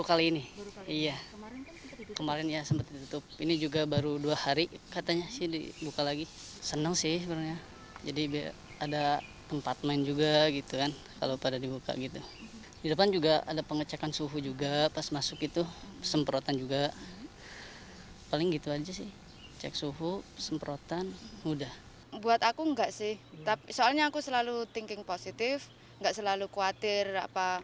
saya berpikir positif tidak selalu khawatir